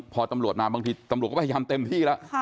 พอตำรวจมาบางทีตำรวจก็พยายามเต็มที่แล้ว